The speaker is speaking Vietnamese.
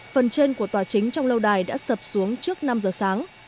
phần trên của tòa chính trong lâu đài đã sập xuống trước năm giờ sáng